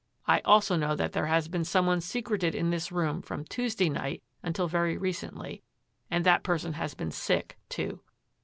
I also know that there has been some one secreted in this room from Tuesday night until very recently, and that person has been sick, too.